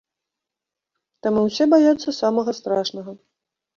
Таму ўсе баяцца самага страшнага.